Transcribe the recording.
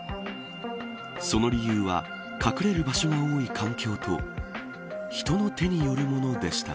その理由は隠れる場所が多い環境と人の手によるものでした。